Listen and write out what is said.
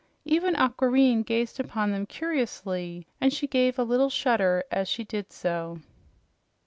Even Aquareine gazed upon them curiously, and she gave a little shudder as she did so.